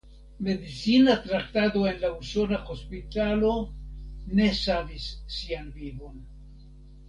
Medicina traktado en la usona hospitalo ne savis sian vivon.